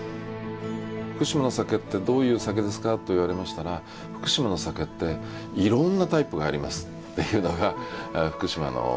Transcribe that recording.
福島の酒ってどういう酒ですかと言われましたら福島の酒っていろんなタイプがありますっていうのが福島の酒。